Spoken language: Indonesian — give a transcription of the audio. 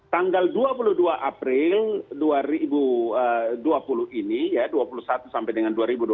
tanggal dua puluh dua april dua ribu dua puluh ini ya dua puluh satu sampai dengan dua ribu dua puluh